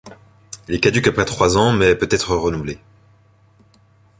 Il est caduc après trois ans mais peut être renouvelé.